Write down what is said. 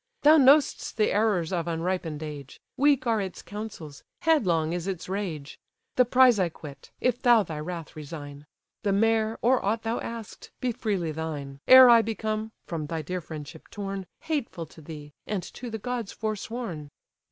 Thou know'st the errors of unripen'd age, Weak are its counsels, headlong is its rage. The prize I quit, if thou thy wrath resign; The mare, or aught thou ask'st, be freely thine Ere I become (from thy dear friendship torn) Hateful to thee, and to the gods forsworn."